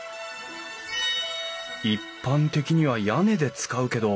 一般的には屋根で使うけど。